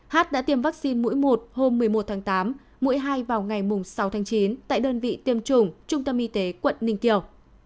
hát đã tiêm vaccine mũi một hôm một mươi một tháng tám mũi hai vào ngày sáu tháng chín tại đơn vị tiêm chủng trung tâm y tế quận ninh kiều